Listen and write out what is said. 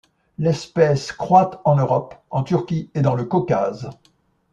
L'espèce croît en Europe, en Turquie et dans le Caucase.